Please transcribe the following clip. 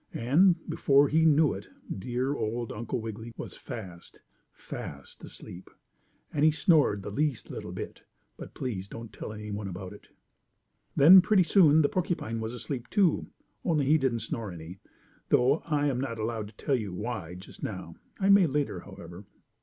And, before he knew it, dear old Uncle Wiggily was fast, fast asleep, and he snored the least little bit, but please don't tell any one about it. Then pretty soon the porcupine was asleep too, only he didn't snore any, though I'm not allowed to tell you why just now. I may later, however.